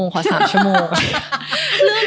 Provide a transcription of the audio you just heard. ขอ๓ชั่วโมง